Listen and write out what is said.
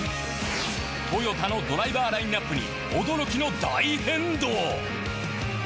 トヨタのドライバーラインナップに驚きの大変動！